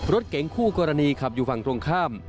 รถเก๋งคู่กรณีขับอยู่ฝั่งตรงข้าม